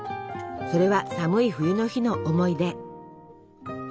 それは寒い冬の日の思い出。